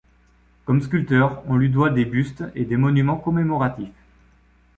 Comme sculpteur, on lui doit des bustes et des monuments commémoratifs.